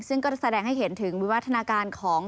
ซึ่งก็แสดงให้เห็นถึงวิวัฒนาการของ